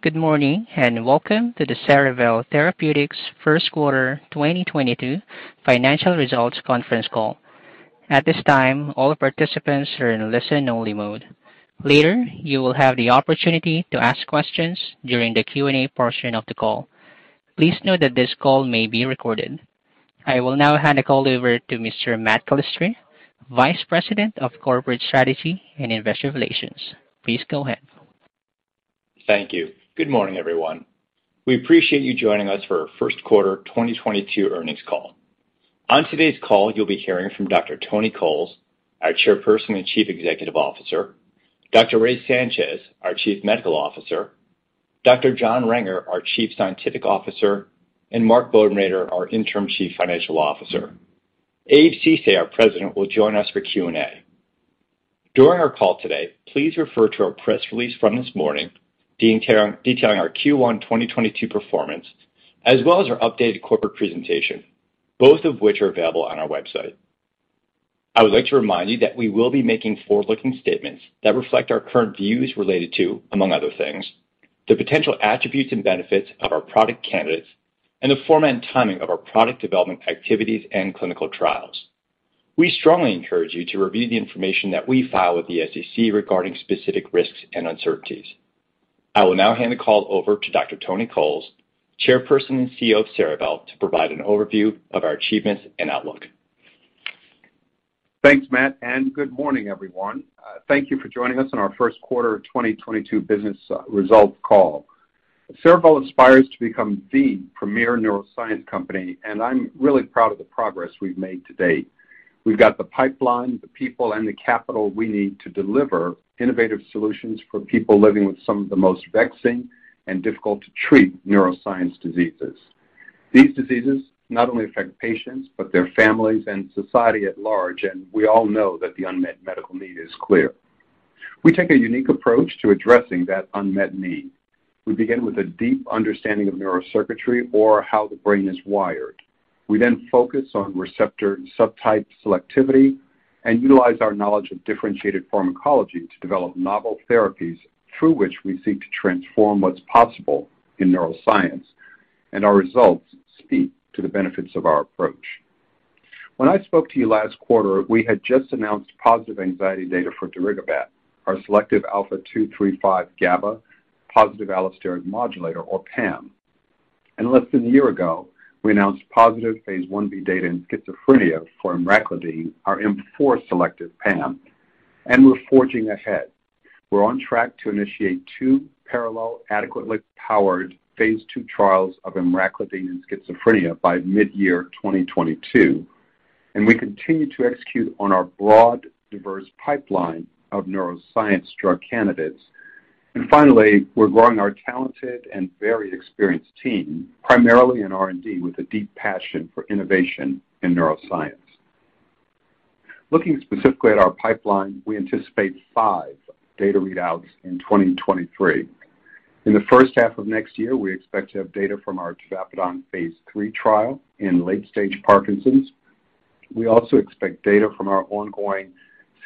Good morning, and welcome to the Cerevel Therapeutics first quarter 2022 financial results conference call. At this time, all participants are in listen only mode. Later, you will have the opportunity to ask questions during the Q&A portion of the call. Please note that this call may be recorded. I will now hand the call over to Mr. Matt Calistri, Vice President of Corporate Strategy and Investor Relations. Please go ahead. Thank you. Good morning, everyone. We appreciate you joining us for our first quarter 2022 earnings call. On today's call, you'll be hearing from Dr. Tony Coles, our Chairperson and Chief Executive Officer, Dr. Ray Sanchez, our Chief Medical Officer, Dr. John Renger, our Chief Scientific Officer, and Mark Bodenrader, our Interim Chief Financial Officer. Abraham Ceesay, our President, will join us for Q&A. During our call today, please refer to our press release from this morning detailing our Q1 2022 performance, as well as our updated corporate presentation, both of which are available on our website. I would like to remind you that we will be making forward-looking statements that reflect our current views related to, among other things, the potential attributes and benefits of our product candidates and the format and timing of our product development activities and clinical trials. We strongly encourage you to review the information that we file with the SEC regarding specific risks and uncertainties. I will now hand the call over to Dr. Tony Coles, Chairperson and CEO of Cerevel, to provide an overview of our achievements and outlook. Thanks, Matt, and good morning, everyone. Thank you for joining us on our first quarter 2022 business results call. Cerevel aspires to become the premier neuroscience company, and I'm really proud of the progress we've made to date. We've got the pipeline, the people, and the capital we need to deliver innovative solutions for people living with some of the most vexing and difficult to treat neuroscience diseases. These diseases not only affect patients, but their families and society at large. We all know that the unmet medical need is clear. We take a unique approach to addressing that unmet need. We begin with a deep understanding of neurocircuitry or how the brain is wired. We then focus on receptor subtype selectivity and utilize our knowledge of differentiated pharmacology to develop novel therapies through which we seek to transform what's possible in neuroscience. Our results speak to the benefits of our approach. When I spoke to you last quarter, we had just announced positive anxiety data for darigabat, our selective α2/3/5 GABAA positive allosteric modulator or PAM. Less than a year ago, we announced positive phase I-B data in schizophrenia for emraclidine, our M4 selective PAM. We're forging ahead. We're on track to initiate two parallel, adequately powered phase II trials of emraclidine in schizophrenia by midyear 2022. We continue to execute on our broad, diverse pipeline of neuroscience drug candidates. Finally, we're growing our talented and very experienced team, primarily in R&D, with a deep passion for innovation in neuroscience. Looking specifically at our pipeline, we anticipate five data readouts in 2023. In the first half of next year, we expect to have data from our tavapadon phase III trial in late-stage Parkinson's. We also expect data from our ongoing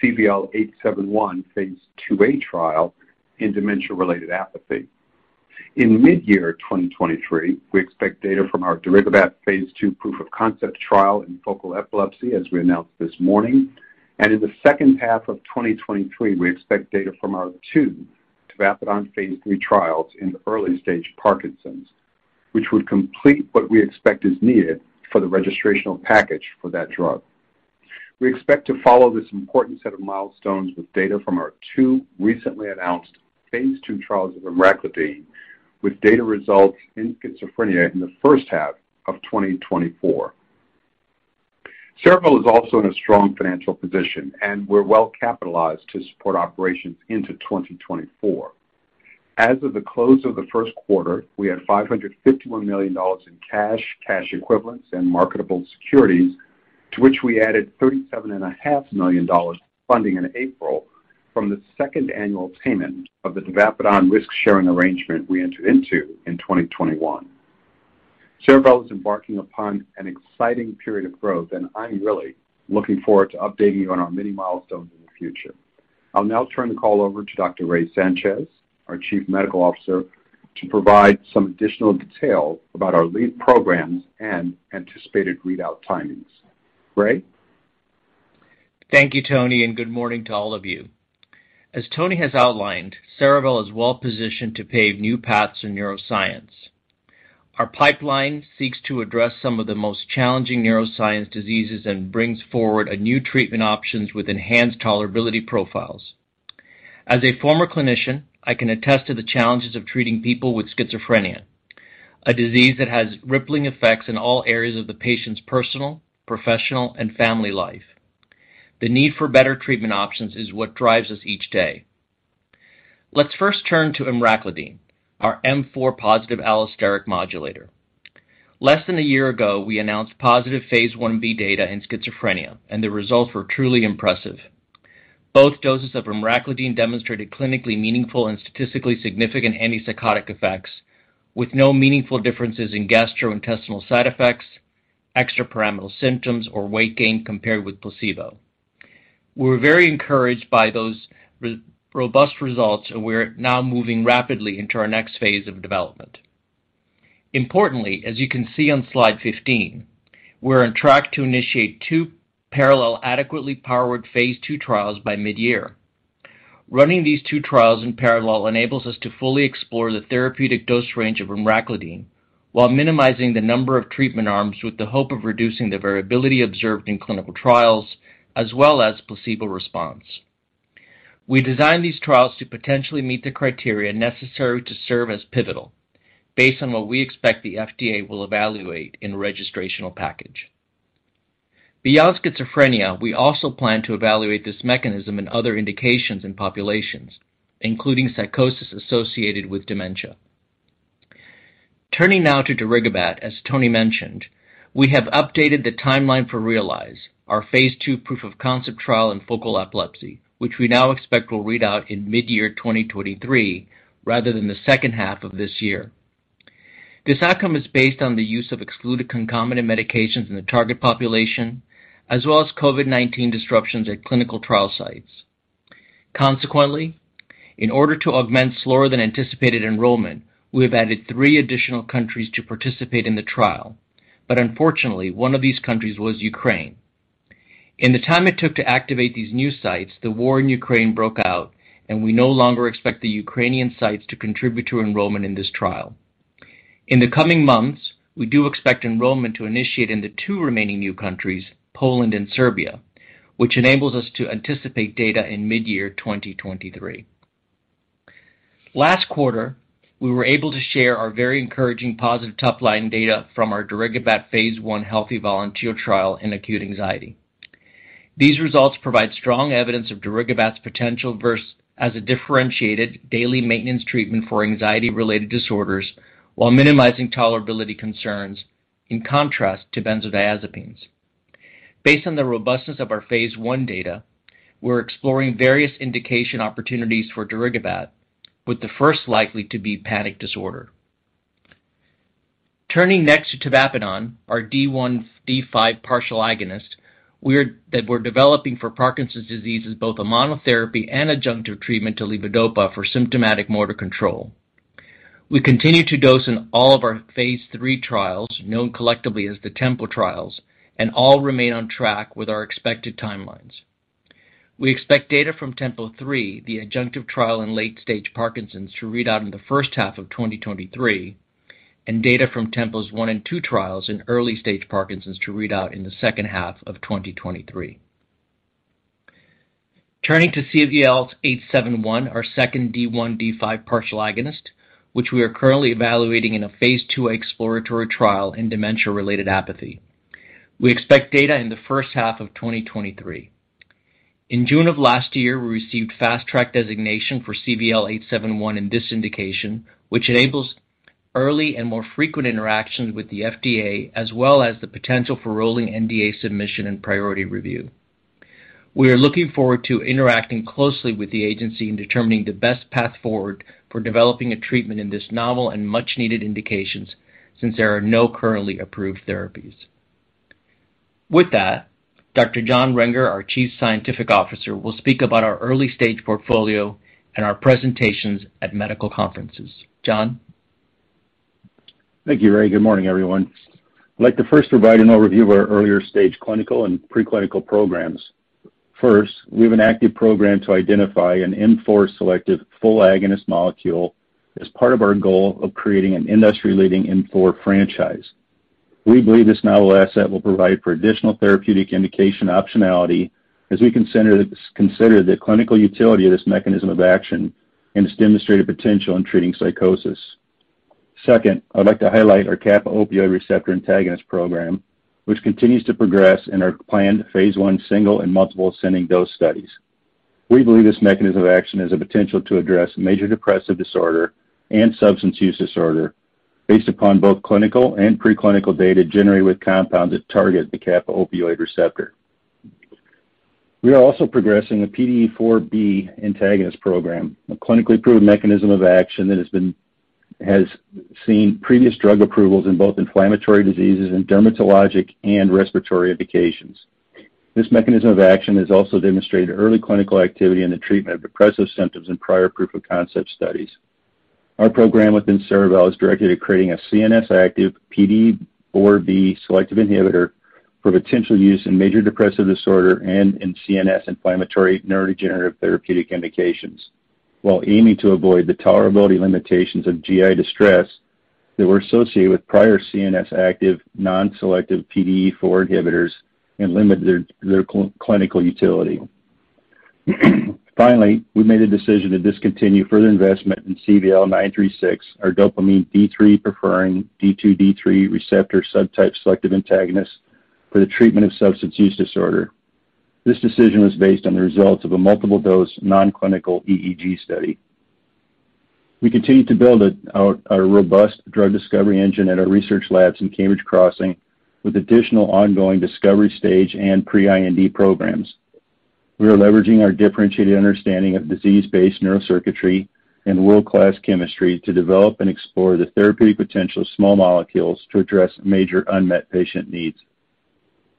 CVL-871 phase II-A trial in dementia-related apathy. In midyear 2023, we expect data from our darigabat phase II proof-of-concept trial in focal epilepsy, as we announced this morning. In the second half of 2023, we expect data from our two tavapadon phase III trials in early-stage Parkinson's, which would complete what we expect is needed for the registrational package for that drug. We expect to follow this important set of milestones with data from our two recently announced phase II trials of emraclidine, with data results in schizophrenia in the first half of 2024. Cerevel is also in a strong financial position, and we're well capitalized to support operations into 2024. As of the close of the first quarter, we had $551 million in cash equivalents, and marketable securities, to which we added $37.5 million funding in April from the second annual payment of the tavapadon risk-sharing arrangement we entered into in 2021. Cerevel is embarking upon an exciting period of growth, and I'm really looking forward to updating you on our many milestones in the future. I'll now turn the call over to Dr. Ray Sanchez, our Chief Medical Officer, to provide some additional detail about our lead programs and anticipated readout timings. Ray? Thank you, Tony, and good morning to all of you. As Tony has outlined, Cerevel is well positioned to pave new paths in neuroscience. Our pipeline seeks to address some of the most challenging neuroscience diseases and brings forward a new treatment options with enhanced tolerability profiles. As a former clinician, I can attest to the challenges of treating people with schizophrenia, a disease that has rippling effects in all areas of the patient's personal, professional, and family life. The need for better treatment options is what drives us each day. Let's first turn to emraclidine, our M4 positive allosteric modulator. Less than a year ago, we announced positive phase 1b data in schizophrenia, and the results were truly impressive. Both doses of emraclidine demonstrated clinically meaningful and statistically significant antipsychotic effects with no meaningful differences in gastrointestinal side effects, extrapyramidal symptoms, or weight gain compared with placebo. We're very encouraged by those robust results, and we're now moving rapidly into our next phase of development. Importantly, as you can see on slide 15, we're on track to initiate two parallel adequately powered phase II trials by mid-year. Running these two trials in parallel enables us to fully explore the therapeutic dose range of emraclidine while minimizing the number of treatment arms with the hope of reducing the variability observed in clinical trials as well as placebo response. We designed these trials to potentially meet the criteria necessary to serve as pivotal based on what we expect the FDA will evaluate in registrational package. Beyond schizophrenia, we also plan to evaluate this mechanism in other indications in populations, including psychosis associated with dementia. Turning now to darigabat, as Tony mentioned, we have updated the timeline for REALIZE, our phase II proof-of-concept trial in focal epilepsy, which we now expect will read out in mid-2023 rather than the second half of this year. This outcome is based on the use of excluded concomitant medications in the target population as well as COVID-19 disruptions at clinical trial sites. Consequently, in order to augment slower than anticipated enrollment, we have added three additional countries to participate in the trial. Unfortunately, one of these countries was Ukraine. In the time it took to activate these new sites, the war in Ukraine broke out, and we no longer expect the Ukrainian sites to contribute to enrollment in this trial. In the coming months, we do expect enrollment to initiate in the two remaining new countries, Poland and Serbia, which enables us to anticipate data in mid-2023. Last quarter, we were able to share our very encouraging positive top-line data from our darigabat phase I healthy volunteer trial in acute anxiety. These results provide strong evidence of darigabat's potential versus as a differentiated daily maintenance treatment for anxiety-related disorders while minimizing tolerability concerns, in contrast to benzodiazepines. Based on the robustness of our phase 1 data, we're exploring various indication opportunities for darigabat, with the first likely to be panic disorder. Turning next to tavapadon, our D1/D5 partial agonist that we're developing for Parkinson's disease as both a monotherapy and adjunctive treatment to levodopa for symptomatic motor control. We continue to dose in all of our phase III trials, known collectively as the TEMPO trials, and all remain on track with our expected timelines. We expect data from TEMPO-3, the adjunctive trial in late-stage Parkinson's, to read out in the first half of 2023, and data from TEMPO-1 and TEMPO‑2 trials in early-stage Parkinson's to read out in the second half of 2023. Turning to CVL-871, our second D1/D5 partial agonist, which we are currently evaluating in a phase II exploratory trial in dementia-related apathy. We expect data in the first half of 2023. In June of last year, we received Fast Track designation for CVL-871 in this indication, which enables early and more frequent interactions with the FDA as well as the potential for rolling NDA submission and priority review. We are looking forward to interacting closely with the agency in determining the best path forward for developing a treatment in this novel and much-needed indications since there are no currently approved therapies. With that, Dr. John Renger, our Chief Scientific Officer, will speak about our early-stage portfolio and our presentations at medical conferences. John? Thank you, Ray. Good morning, everyone. I'd like to first provide an overview of our earlier-stage clinical and preclinical programs. First, we have an active program to identify an M4 selective full agonist molecule as part of our goal of creating an industry-leading M4 franchise. We believe this novel asset will provide for additional therapeutic indication optionality as we consider the clinical utility of this mechanism of action and its demonstrated potential in treating psychosis. Second, I'd like to highlight our kappa-opioid receptor antagonist program, which continues to progress in our planned phase I single and multiple ascending dose studies. We believe this mechanism of action has a potential to address major depressive disorder and substance use disorder based upon both clinical and preclinical data generated with compounds that target the kappa-opioid receptor. We are also progressing a PDE4B antagonist program, a clinically proven mechanism of action that has seen previous drug approvals in both inflammatory diseases and dermatologic and respiratory indications. This mechanism of action has also demonstrated early clinical activity in the treatment of depressive symptoms in prior proof of concept studies. Our program within Cerevel is directed at creating a CNS active PDE4B selective inhibitor for potential use in major depressive disorder and in CNS inflammatory neurodegenerative therapeutic indications while aiming to avoid the tolerability limitations of GI distress that were associated with prior CNS active non-selective PDE4 inhibitors and limit their clinical utility. Finally, we made a decision to discontinue further investment in CVL-936, our dopamine D3-preferring D2/D3 receptor subtype selective antagonist for the treatment of substance use disorder. This decision was based on the results of a multiple-dose non-clinical EEG study. We continue to build a robust drug discovery engine at our research labs in Cambridge Crossing with additional ongoing discovery stage and pre-IND programs. We are leveraging our differentiated understanding of disease-based neurocircuitry and world-class chemistry to develop and explore the therapeutic potential of small molecules to address major unmet patient needs.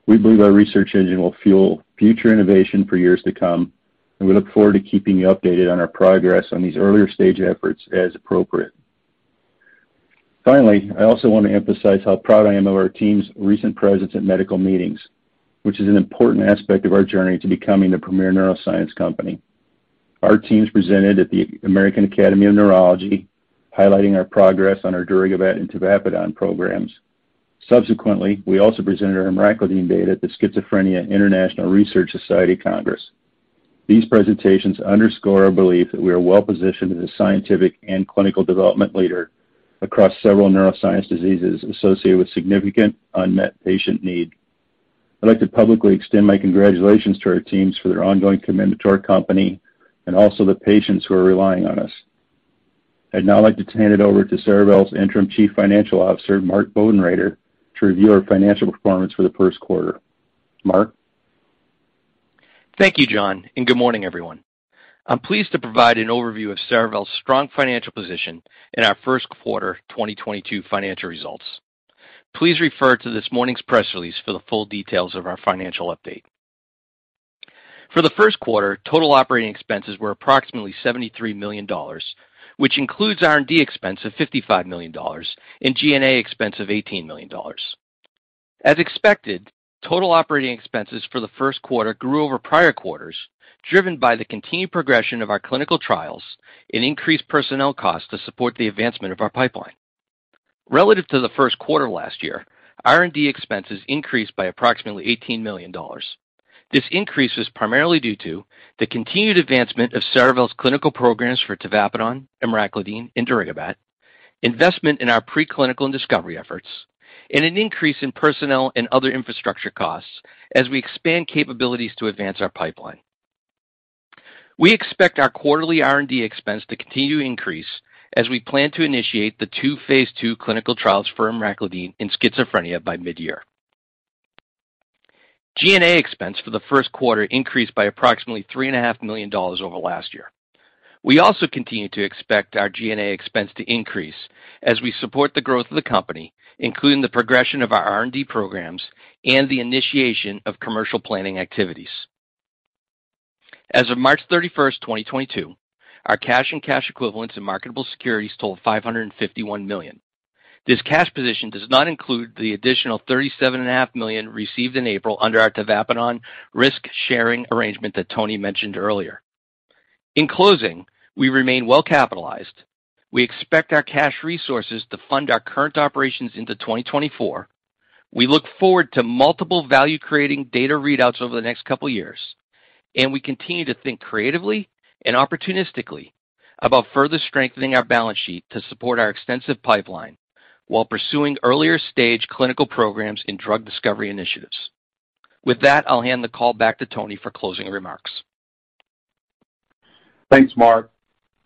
We believe our research engine will fuel future innovation for years to come, and we look forward to keeping you updated on our progress on these earlier stage efforts as appropriate. Finally, I also want to emphasize how proud I am of our team's recent presence at medical meetings, which is an important aspect of our journey to becoming the premier neuroscience company. Our teams presented at the American Academy of Neurology, highlighting our progress on our darigabat and tavapadon programs. Subsequently, we also presented our emraclidine data at the Schizophrenia International Research Society Congress. These presentations underscore our belief that we are well-positioned as a scientific and clinical development leader across several neuroscience diseases associated with significant unmet patient need. I'd like to publicly extend my congratulations to our teams for their ongoing commitment to our company and also the patients who are relying on us. I'd now like to hand it over to Cerevel's Interim Chief Financial Officer, Mark Bodenrader, to review our financial performance for the first quarter. Mark? Thank you, John, and good morning, everyone. I'm pleased to provide an overview of Cerevel's strong financial position in our first quarter 2022 financial results. Please refer to this morning's press release for the full details of our financial update. For the first quarter, total operating expenses were approximately $73 million, which includes R&D expense of $55 million and G&A expense of $18 million. As expected, total operating expenses for the first quarter grew over prior quarters, driven by the continued progression of our clinical trials and increased personnel costs to support the advancement of our pipeline. Relative to the first quarter last year, R&D expenses increased by approximately $18 million. This increase was primarily due to the continued advancement of Cerevel's clinical programs for tavapadon, emraclidine, and darigabat, investment in our preclinical and discovery efforts, and an increase in personnel and other infrastructure costs as we expand capabilities to advance our pipeline. We expect our quarterly R&D expense to continue to increase as we plan to initiate the two phase II clinical trials for emraclidine in schizophrenia by mid-year. G&A expense for the first quarter increased by approximately $3.5 million over last year. We also continue to expect our G&A expense to increase as we support the growth of the company, including the progression of our R&D programs and the initiation of commercial planning activities. As of March 31st, 2022, our cash and cash equivalents in marketable securities totaled $551 million. This cash position does not include the additional $37.5 million received in April under our tavapadon risk-sharing arrangement that Tony mentioned earlier. In closing, we remain well-capitalized. We expect our cash resources to fund our current operations into 2024. We look forward to multiple value-creating data readouts over the next couple years, and we continue to think creatively and opportunistically about further strengthening our balance sheet to support our extensive pipeline while pursuing earlier stage clinical programs and drug discovery initiatives. With that, I'll hand the call back to Tony for closing remarks. Thanks, Mark.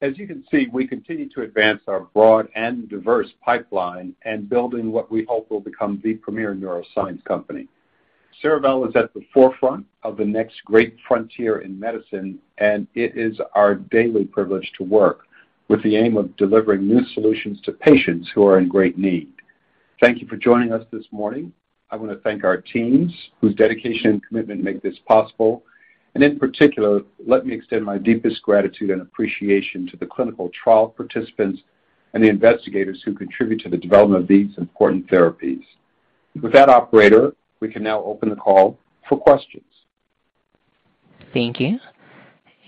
As you can see, we continue to advance our broad and diverse pipeline and building what we hope will become the premier neuroscience company. Cerevel is at the forefront of the next great frontier in medicine, and it is our daily privilege to work with the aim of delivering new solutions to patients who are in great need. Thank you for joining us this morning. I want to thank our teams, whose dedication and commitment make this possible. In particular, let me extend my deepest gratitude and appreciation to the clinical trial participants and the investigators who contribute to the development of these important therapies. With that, operator, we can now open the call for questions. Thank you.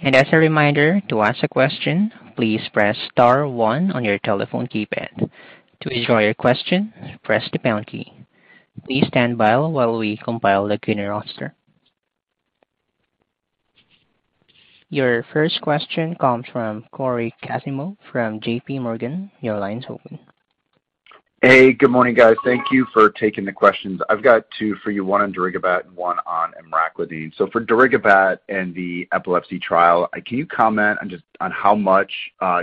As a reminder, to ask a question, please press star one on your telephone keypad. To withdraw your question, press the pound key. Please stand by while we compile the queue and roster. Your first question comes from Cory Kasimov from JPMorgan. Your line is open. Hey, good morning, guys. Thank you for taking the questions. I've got two for you, one on darigabat and one on emraclidine. For darigabat and the epilepsy trial, can you comment on just on how much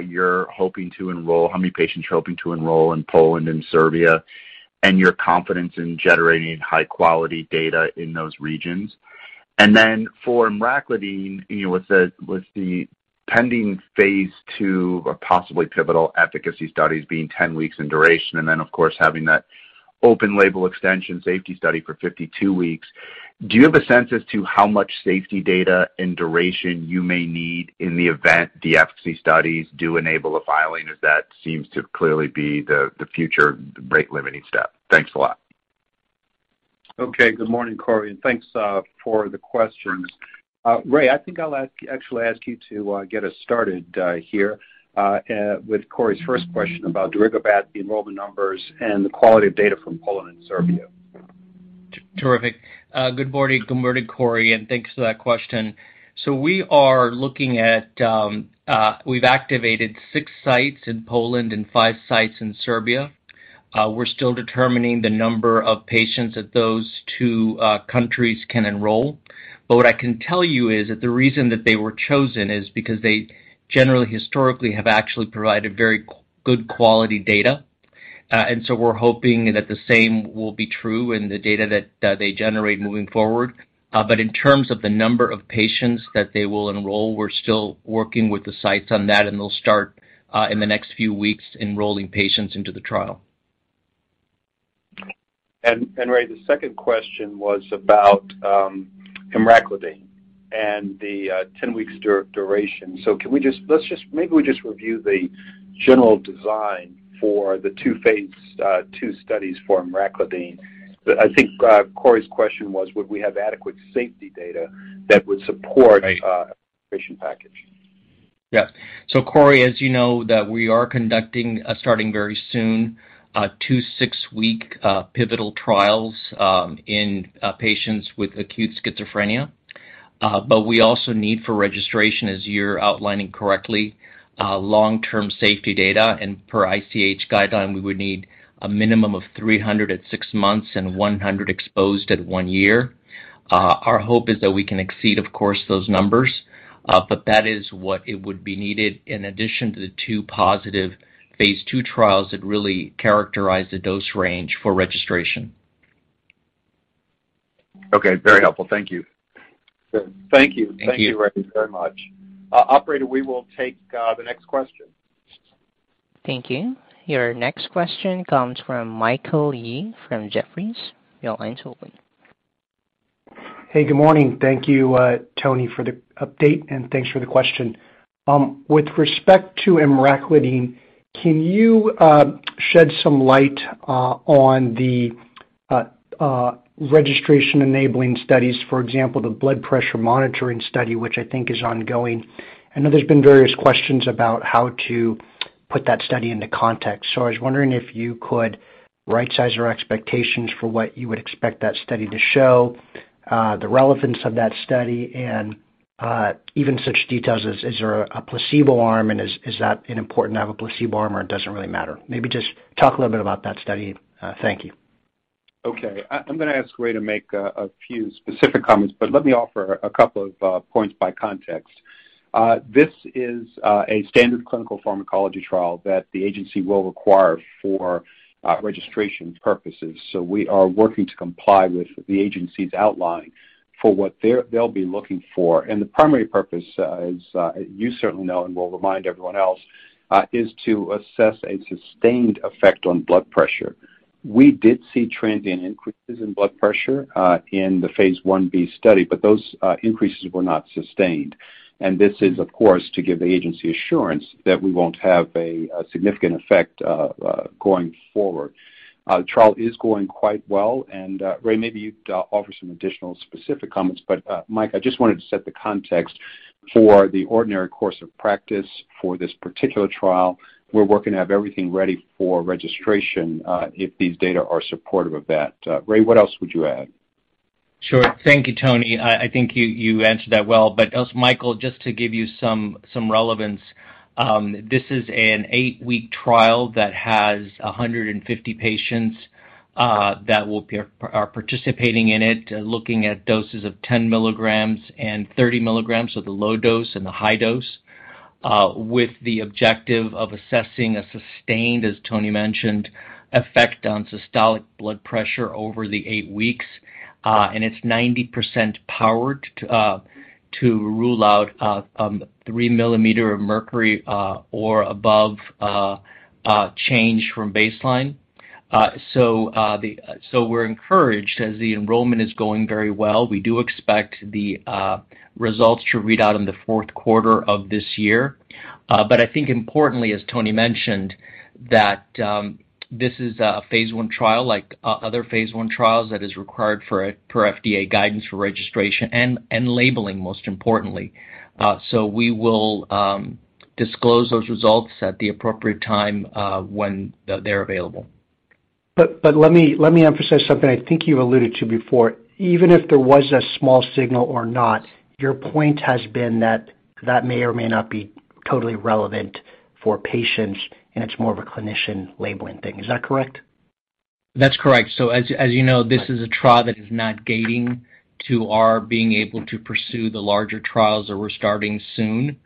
you're hoping to enroll, how many patients you're hoping to enroll in Poland and Serbia, and your confidence in generating high-quality data in those regions? For emraclidine, you know, with the pending phase II or possibly pivotal efficacy studies being 10 weeks in duration and then, of course, having that open label extension safety study for 52 weeks, do you have a sense as to how much safety data and duration you may need in the event the efficacy studies do enable a filing, as that seems to clearly be the future rate limiting step? Thanks a lot. Okay. Good morning, Cory, and thanks for the questions. Ray, I think I'll ask, actually ask you to get us started here with Cory's first question about darigabat, the enrollment numbers and the quality of data from Poland and Serbia. Terrific. Good morning. Good morning, Cory, and thanks for that question. We are looking at, we've activated six sites in Poland and five sites in Serbia. We're still determining the number of patients that those two countries can enroll. What I can tell you is that the reason that they were chosen is because they generally historically have actually provided very good quality data, and so we're hoping that the same will be true in the data that they generate moving forward. But in terms of the number of patients that they will enroll, we're still working with the sites on that, and they'll start in the next few weeks enrolling patients into the trial. Ray, the second question was about emraclidine and the 10 weeks duration. Can we review the general design for the two phase II studies for emraclidine. I think Cory's question was would we have adequate safety data that would support- Right. Patient package? Yes. Cory, as you know that we are conducting, starting very soon, two six-week pivotal trials in patients with acute schizophrenia. We also need for registration, as you're outlining correctly, long-term safety data and per ICH guideline, we would need a minimum of 300 at six months and 100 exposed at one year. Our hope is that we can exceed, of course, those numbers. That is what it would be needed in addition to the two positive phase II trials that really characterize the dose range for registration. Okay. Very helpful. Thank you. Sure. Thank you. Thank you. Thank you, Ray, very much. Operator, we will take the next question. Thank you. Your next question comes from Michael Yee from Jefferies. Your line's open. Hey, good morning. Thank you, Tony, for the update, and thanks for the question. With respect to emraclidine, can you shed some light on the registration enabling studies, for example, the blood pressure monitoring study, which I think is ongoing? I know there's been various questions about how to put that study into context. I was wondering if you could right size our expectations for what you would expect that study to show, the relevance of that study and even such details as, is there a placebo arm, and is that important to have a placebo arm or it doesn't really matter? Maybe just talk a little bit about that study. Thank you. Okay. I'm gonna ask Ray to make a few specific comments, but let me offer a couple of points by context. This is a standard clinical pharmacology trial that the agency will require for registration purposes. We are working to comply with the agency's outline for what they'll be looking for. The primary purpose, as you certainly know, and we'll remind everyone else, is to assess a sustained effect on blood pressure. We did see trends in increases in blood pressure in the phase I-B study, but those increases were not sustained. This is, of course, to give the agency assurance that we won't have a significant effect going forward. Trial is going quite well, and Ray, maybe you'd offer some additional specific comments. Michael, I just wanted to set the context for the ordinary course of practice for this particular trial. We're working to have everything ready for registration, if these data are supportive of that. Ray, what else would you add? Sure. Thank you, Tony. I think you answered that well. Also Michael, just to give you some relevance, this is an eight-week trial that has 150 patients that are participating in it, looking at doses of 10 mg and 30 mg, so the low dose and the high dose, with the objective of assessing a sustained, as Tony mentioned, effect on systolic blood pressure over the eight weeks. It's 90% powered to rule out 3 mm Hg or above change from baseline. We're encouraged as the enrollment is going very well. We do expect the results to read out in the fourth quarter of this year. I think importantly, as Tony mentioned, that this is a phase I trial like other phase I trials that is required for FDA guidance for registration and labeling, most importantly. We will disclose those results at the appropriate time when they're available. Let me emphasize something I think you alluded to before. Even if there was a small signal or not, your point has been that may or may not be totally relevant for patients, and it's more of a clinician labeling thing. Is that correct? That's correct. As you know, this is a trial that is not gating to our being able to pursue the larger trials that we're starting soon.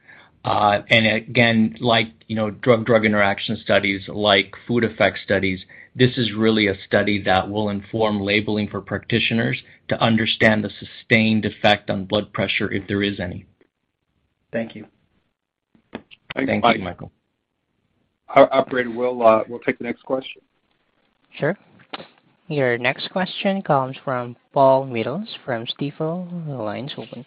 Again, like, you know, drug-drug interaction studies, like food effect studies, this is really a study that will inform labeling for practitioners to understand the sustained effect on blood pressure if there is any. Thank you. Thank you, Mike. Thank you, Michael. Operator, we'll take the next question. Sure. Your next question comes from Paul Matteis from Stifel. Your line's open.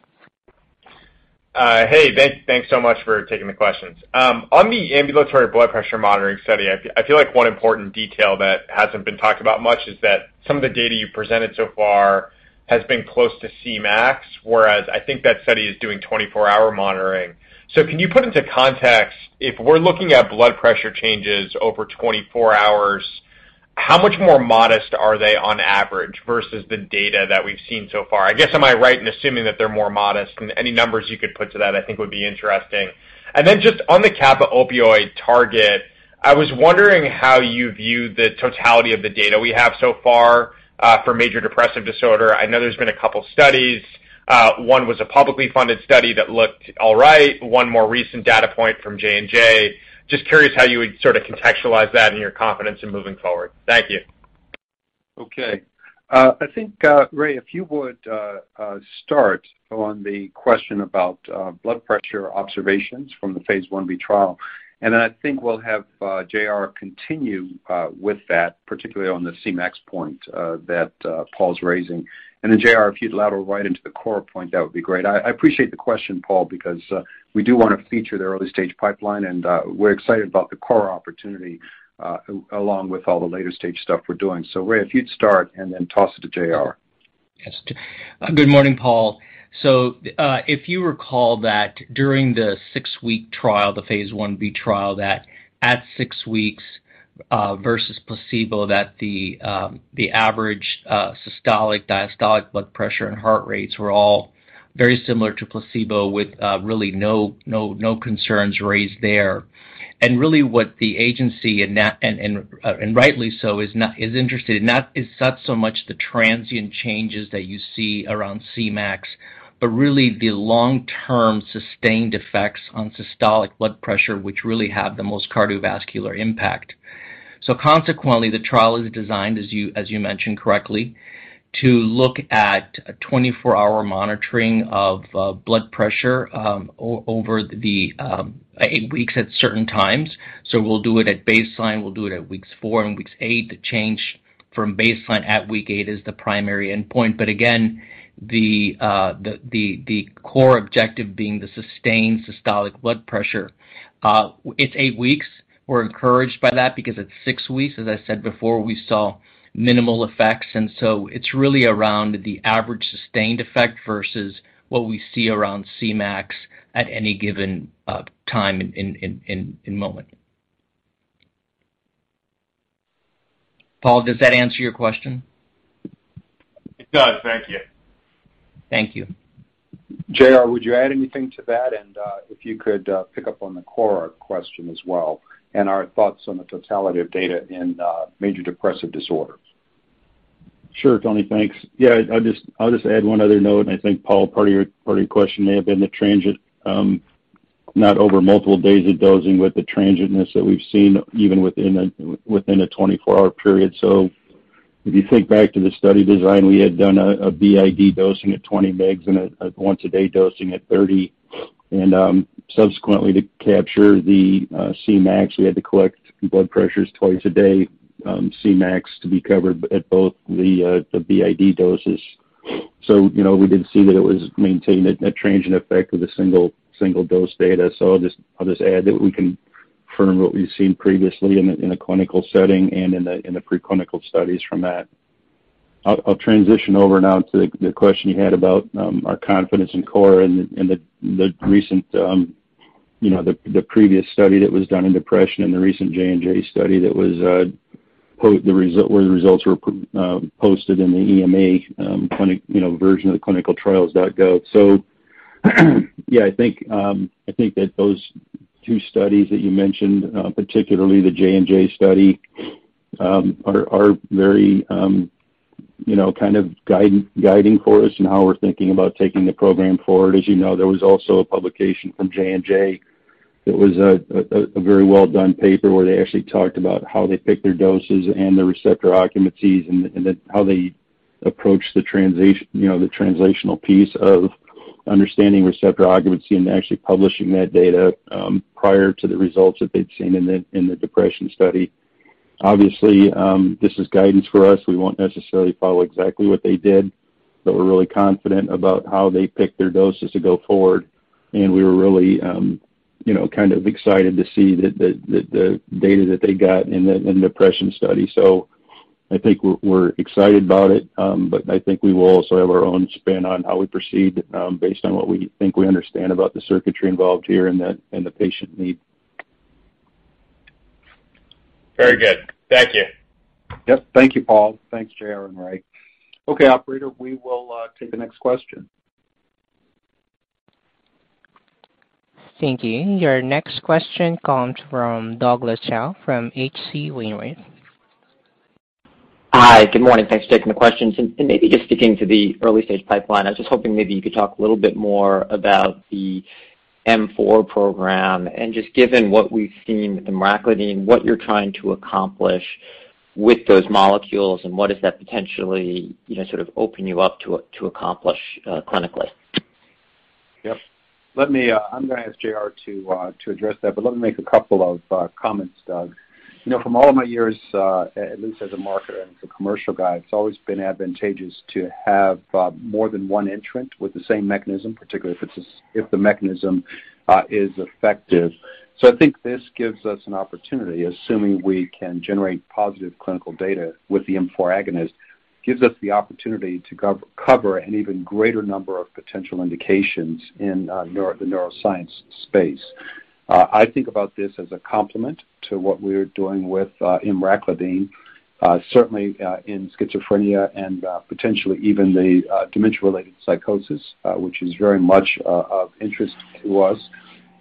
Hey, thanks so much for taking the questions. On the ambulatory blood pressure monitoring study, I feel like one important detail that hasn't been talked about much is that some of the data you presented so far has been close to Cmax, whereas I think that study is doing 24-hour monitoring. Can you put into context, if we're looking at blood pressure changes over 24 hours, how much more modest are they on average versus the data that we've seen so far? I guess, am I right in assuming that they're more modest? Any numbers you could put to that, I think would be interesting. Just on the kappa opioid target, I was wondering how you view the totality of the data we have so far for major depressive disorder. I know there's been a couple studies. One was a publicly funded study that looked all right, one more recent data point from J&J. Just curious how you would sort of contextualize that in your confidence in moving forward. Thank you. Okay. I think, Ray, if you would, start on the question about blood pressure observations from the phase I-B trial, and then I think we'll have J.R. continue with that, particularly on the Cmax point that Paul's raising. Then J.R., if you'd lead right into the KORA point, that would be great. I appreciate the question, Paul, because we do wanna feature the early-stage pipeline, and we're excited about the KORA opportunity along with all the later stage stuff we're doing. Ray, if you'd start and then toss it to J.R. Yes. Good morning, Paul. If you recall that during the six-week trial, the phase I-B trial, that at six weeks, versus placebo that the average systolic, diastolic blood pressure and heart rates were all very similar to placebo with really no concerns raised there. Really what the agency, and rightly so, is not so much the transient changes that you see around Cmax, but really the long-term sustained effects on systolic blood pressure, which really have the most cardiovascular impact. Consequently, the trial is designed as you mentioned correctly, to look at a 24-hour monitoring of blood pressure over the 8 weeks at certain times. We'll do it at baseline. We'll do it at weeks four and eight. The change from baseline at week eight is the primary endpoint. Again, the core objective being the sustained systolic blood pressure. It's eight weeks. We're encouraged by that because at six weeks, as I said before, we saw minimal effects. It's really around the average sustained effect versus what we see around Cmax at any given time in moment. Paul, does that answer your question? It does. Thank you. Thank you. J.R., would you add anything to that? If you could, pick up on the core question as well and our thoughts on the totality of data in major depressive disorders. Sure, Tony. Thanks. Yeah. I'll just add one other note, and I think Paul, part of your question may have been the transient not over multiple days of dosing, but the transientness that we've seen even within a 24-hour period. If you think back to the study design, we had done a BID dosing at 20 mg and a once a day dosing at 30. Subsequently to capture the Cmax, we had to collect blood pressures twice a day, Cmax to be covered at both the BID doses. You know, we did see that it was maintaining a transient effect with a single dose data. I'll just add that we can confirm what we've seen previously in a clinical setting and in the preclinical studies from that. I'll transition over now to the question you had about our confidence in KORA and the recent you know the previous study that was done in depression and the recent J&J study that was where the results were posted in the EMA clinical you know version of ClinicalTrials.gov. Yeah, I think that those two studies that you mentioned particularly the J&J study are very you know kind of guiding for us in how we're thinking about taking the program forward. As you know, there was also a publication from J&J that was a very well-done paper where they actually talked about how they picked their doses and the receptor occupancies and then how they approached the translation, you know, the translational piece of understanding receptor occupancy and actually publishing that data prior to the results that they'd seen in the depression study. Obviously, this is guidance for us. We won't necessarily follow exactly what they did, but we're really confident about how they picked their doses to go forward. We were really, you know, kind of excited to see the data that they got in the depression study. I think we're excited about it, but I think we will also have our own spin on how we proceed, based on what we think we understand about the circuitry involved here and the patient need. Very good. Thank you. Yep. Thank you, Paul. Thanks, J.R. and Ray. Okay, operator, we will take the next question. Thank you. Your next question comes from Douglas Tsao from H.C. Wainwright. Hi. Good morning. Thanks for taking the questions. Maybe just sticking to the early stage pipeline, I was just hoping maybe you could talk a little bit more about the M4 program. Just given what we've seen with Emraclidine, what you're trying to accomplish with those molecules and what does that potentially, you know, sort of open you up to accomplish clinically? Yep. Let me, I'm gonna ask J.R. to address that, but let me make a couple of comments, Doug. You know, from all of my years, at least as a marketer and a commercial guy, it's always been advantageous to have more than one entrant with the same mechanism, particularly if it's, if the mechanism is effective. I think this gives us an opportunity, assuming we can generate positive clinical data with the M4 agonist, gives us the opportunity to cover an even greater number of potential indications in the neuroscience space. I think about this as a complement to what we're doing with emraclidine, certainly in schizophrenia and potentially even the dementia-related psychosis, which is very much of interest to us.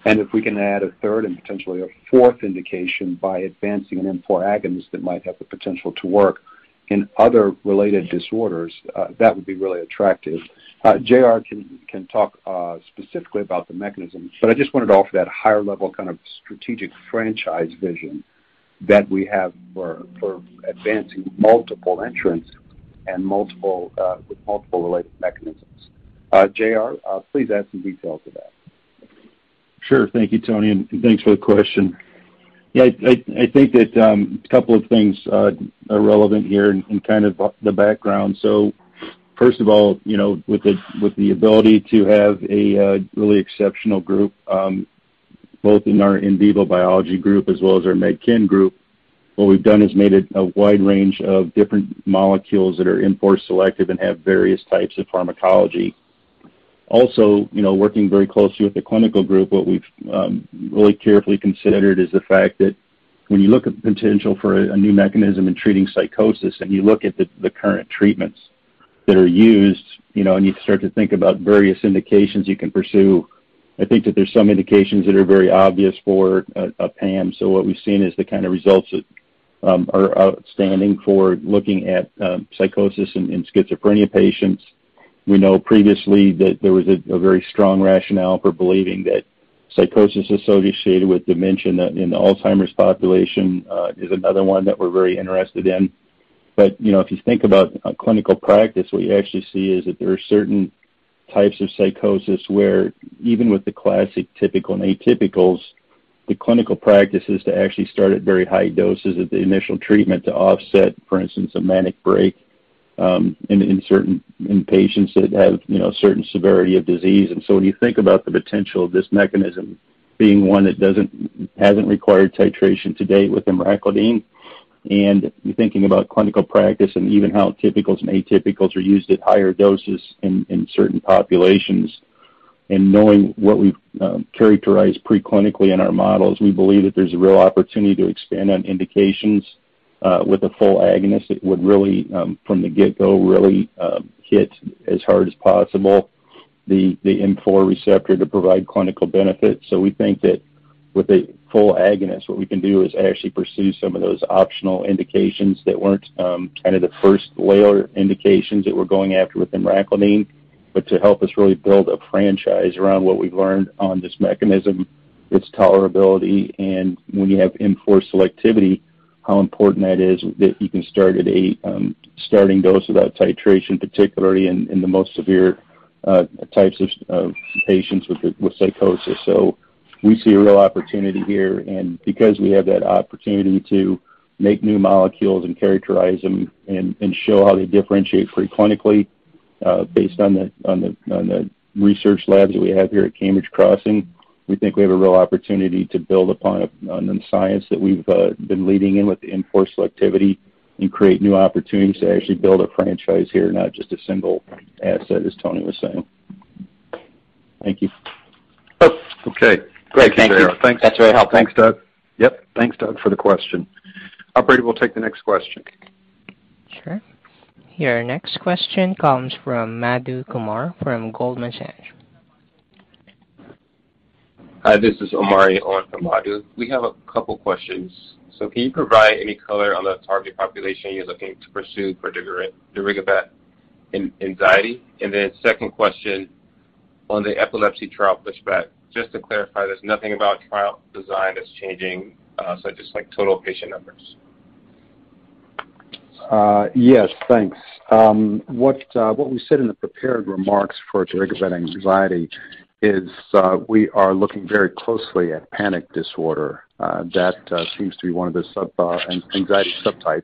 If we can add a third and potentially a fourth indication by advancing an M4 agonist that might have the potential to work in other related disorders, that would be really attractive. J.R. can talk specifically about the mechanism, but I just wanted to offer that higher level kind of strategic franchise vision that we have for advancing multiple entrants and multiple with multiple related mechanisms. J.R., please add some details to that. Sure. Thank you, Tony. Thanks for the question. Yeah. I think that a couple of things are relevant here and kind of the background. First of all, you know, with the ability to have a really exceptional group both in our in-vivo biology group as well as our Med Chem group, what we've done is made a wide range of different molecules that are M4 selective and have various types of pharmacology. Also, you know, working very closely with the clinical group, what we've really carefully considered is the fact that when you look at the potential for a new mechanism in treating psychosis and you look at the current treatments that are used, you know, and you start to think about various indications you can pursue, I think that there's some indications that are very obvious for a PAM. What we've seen is the kind of results that are outstanding for looking at psychosis in schizophrenia patients. We know previously that there was a very strong rationale for believing that psychosis associated with dementia in the Alzheimer's population is another one that we're very interested in. You know, if you think about a clinical practice, what you actually see is that there are certain types of psychosis where even with the classic typical atypicals, the clinical practice is to actually start at very high doses at the initial treatment to offset, for instance, a manic break, in patients that have, you know, certain severity of disease. When you think about the potential of this mechanism being one that hasn't required titration to date with emraclidine, and you're thinking about clinical practice and even how typicals and atypicals are used at higher doses in certain populations, and knowing what we've characterized pre-clinically in our models, we believe that there's a real opportunity to expand on indications with a full agonist that would really from the get-go really hit as hard as possible the M4 receptor to provide clinical benefit. We think that with a full agonist, what we can do is actually pursue some of those optional indications that weren't kind of the first layer indications that we're going after with emraclidine. To help us really build a franchise around what we've learned on this mechanism, its tolerability, and when you have M4 selectivity, how important that is that you can start at a starting dose without titration, particularly in the most severe types of patients with psychosis. We see a real opportunity here. Because we have that opportunity to make new molecules and characterize them and show how they differentiate pre-clinically, based on the research labs that we have here at Cambridge Crossing, we think we have a real opportunity to build upon the science that we've been leading in with the M4 selectivity and create new opportunities to actually build a franchise here, not just a single asset, as Tony was saying. Thank you. Okay. Great. Thank you. That's very helpful. Thanks, Doug. Yep. Thanks, Doug, for the question. Operator, we'll take the next question. Sure. Your next question comes from Madhu Kumar from Goldman Sachs. Hi, this is Omari on for Madhu. We have a couple questions. Can you provide any color on the target population you're looking to pursue for darigabat anxiety? And then second question on the epilepsy trial pushback, just to clarify, there's nothing about trial design that's changing, such as total patient numbers? Yes, thanks. What we said in the prepared remarks for darigabat anxiety is, we are looking very closely at panic disorder. That seems to be one of the anxiety subtypes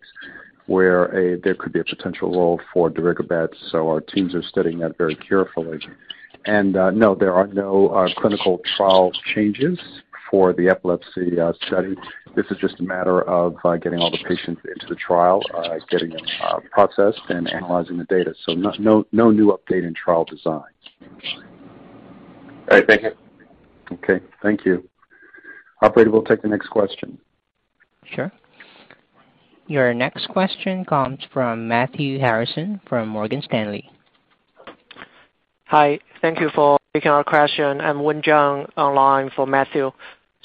where there could be a potential role for darigabat. Our teams are studying that very carefully. No, there are no clinical trial changes for the epilepsy study. This is just a matter of getting all the patients into the trial, getting them processed and analyzing the data. No new update in trial design. All right. Thank you. Okay. Thank you. Operator, we'll take the next question. Sure. Your next question comes from Matthew Harrison from Morgan Stanley. Hi. Thank you for taking our question. I'm Won Jung online for Matthew.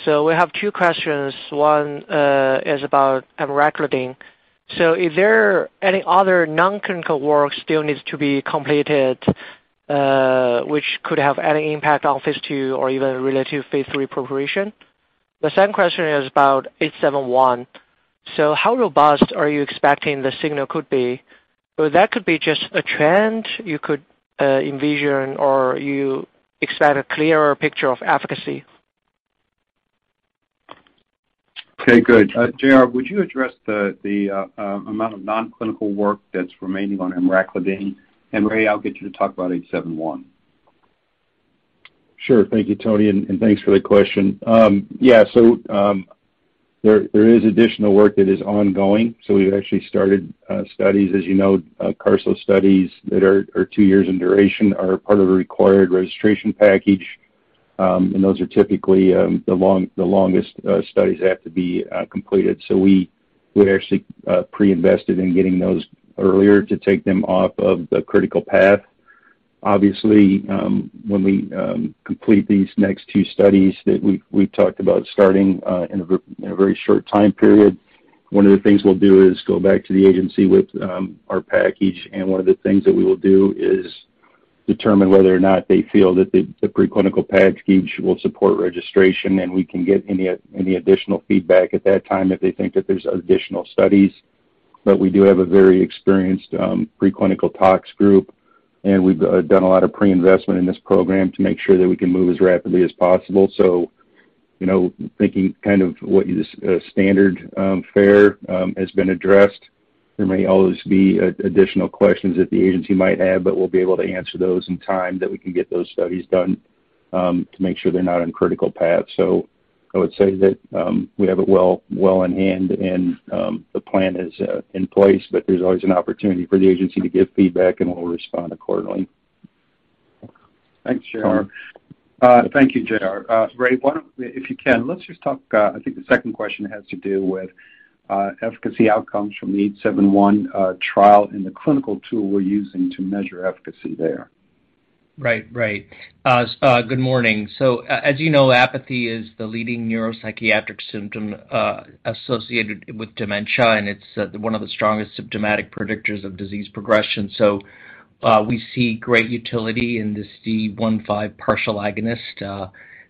We have two questions. One is about emraclidine. Is there any other non-clinical work still needs to be completed, which could have any impact on phase II or even relative phase III preparation? The second question is about CVL-871. How robust are you expecting the signal could be? That could be just a trend you could envision or you expect a clearer picture of efficacy? Okay, good. J.R., would you address the amount of non-clinical work that's remaining on emraclidine? Ray, I'll get you to talk about CVL-871. Sure. Thank you, Tony. Thanks for the question. Yeah, there is additional work that is ongoing. We've actually started studies. As you know, carcinogenicity studies that are two years in duration are part of a required registration package. Those are typically the longest studies that have to be completed. We actually pre-invested in getting those earlier to take them off of the critical path. Obviously, when we complete these next two studies that we talked about starting in a very short time period, one of the things we'll do is go back to the agency with our package. One of the things that we will do is determine whether or not they feel that the preclinical package will support registration, and we can get any additional feedback at that time if they think that there's additional studies. We do have a very experienced preclinical tox group, and we've done a lot of pre-investment in this program to make sure that we can move as rapidly as possible. You know, thinking kind of what is standard fare has been addressed. There may always be additional questions that the agency might have, but we'll be able to answer those in time that we can get those studies done to make sure they're not on critical path. I would say that we have it well in hand and the plan is in place, but there's always an opportunity for the agency to give feedback, and we'll respond accordingly. Thank you, J.R. Ray, why don't, if you can, let's just talk. I think the second question has to do with efficacy outcomes from the CVL-871 trial and the clinical tool we're using to measure efficacy there. Right. Good morning. As you know, apathy is the leading neuropsychiatric symptom associated with dementia, and it's one of the strongest symptomatic predictors of disease progression. We see great utility in this D1/D5 partial agonist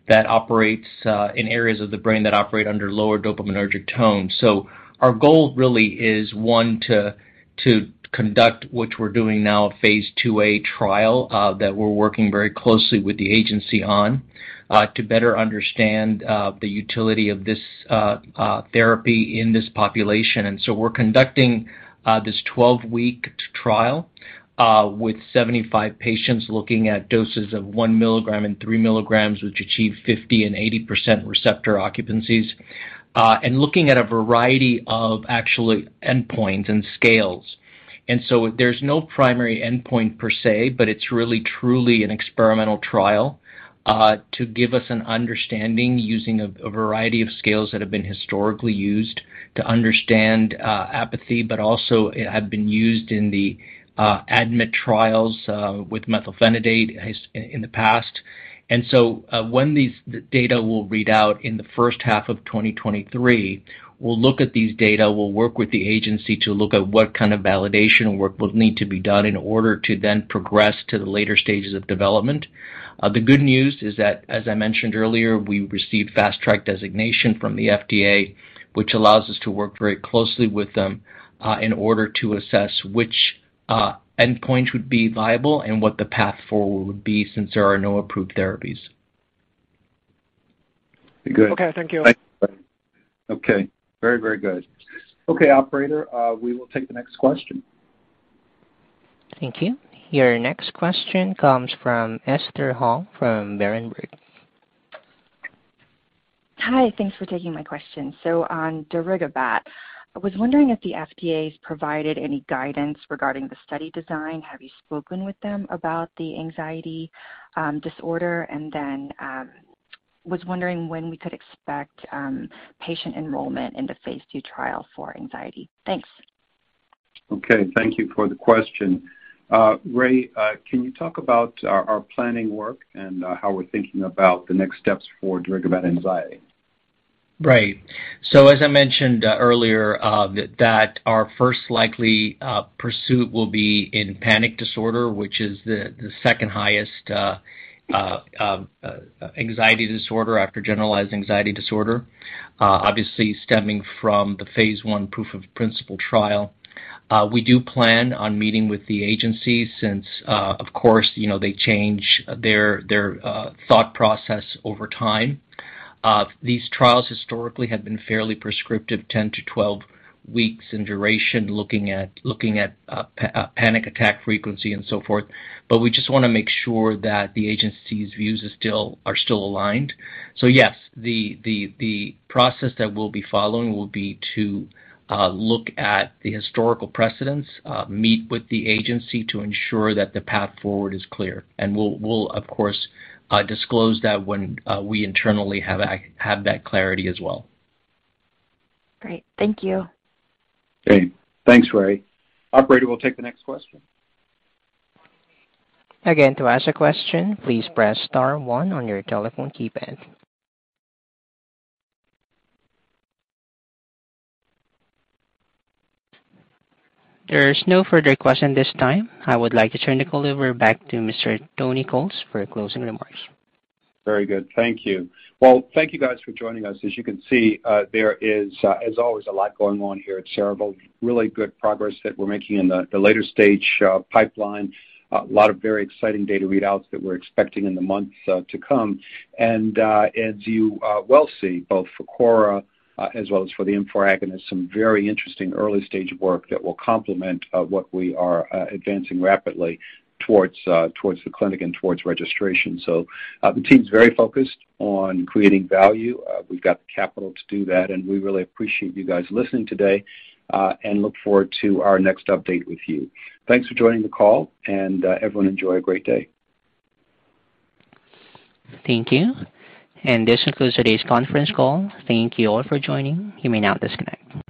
that operates in areas of the brain that operate under lower dopaminergic tone. Our goal really is, one, to conduct, which we're doing now, phase II-A trial that we're working very closely with the agency on to better understand the utility of this therapy in this population. We're conducting this 12-week trial with 75 patients looking at doses of 1 mgilligram and 3 mg, which achieve 50% and 80% receptor occupancies, and looking at a variety actually endpoints and scales. There's no primary endpoint per se, but it's really truly an experimental trial, to give us an understanding using a variety of scales that have been historically used to understand apathy, but also have been used in the ADMET trials with methylphenidate in the past. When these data will read out in the first half of 2023, we'll look at these data. We'll work with the agency to look at what kind of validation work will need to be done in order to then progress to the later stages of development. The good news is that, as I mentioned earlier, we received Fast Track designation from the FDA, which allows us to work very closely with them, in order to assess which endpoints would be viable and what the path forward would be since there are no approved therapies. Very good. Okay. Thank you. Okay. Very, very good. Okay, operator, we will take the next question. Thank you. Your next question comes from Esther Hong from Berenberg. Hi. Thanks for taking my question. On darigabat, I was wondering if the FDA's provided any guidance regarding the study design. Have you spoken with them about the anxiety disorder? Was wondering when we could expect patient enrollment in the phase II trial for anxiety. Thanks. Okay. Thank you for the question. Ray, can you talk about our planning work and how we're thinking about the next steps for darigabat anxiety? Right. As I mentioned earlier, that our first likely pursuit will be in panic disorder, which is the second highest anxiety disorder after generalized anxiety disorder, obviously stemming from the phase I proof of principle trial. We do plan on meeting with the agency since, of course, you know, they change their thought process over time. These trials historically have been fairly prescriptive, 10-12 weeks in duration, looking at panic attack frequency and so forth. We just wanna make sure that the agency's views are still aligned. Yes, the process that we'll be following will be to look at the historical precedence, meet with the agency to ensure that the path forward is clear. We'll of course disclose that when we internally have that clarity as well. Great. Thank you. Great. Thanks, Ray. Operator, we'll take the next question. Again, to ask a question, please press star one on your telephone keypad. There is no further question this time. I would like to turn the call over back to Mr. Tony Coles for closing remarks. Very good. Thank you. Thank you guys for joining us. As you can see, there is, as always, a lot going on here at Cerevel. Really good progress that we're making in the later stage pipeline. A lot of very exciting data readouts that we're expecting in the months to come. As you well see both for KORA, as well as for the M4 agonist, some very interesting early stage work that will complement what we are advancing rapidly towards the clinic and towards registration. The team's very focused on creating value. We've got the capital to do that, and we really appreciate you guys listening today, and look forward to our next update with you. Thanks for joining the call, and everyone enjoy a great day. Thank you. This concludes today's conference call. Thank you all for joining. You may now disconnect.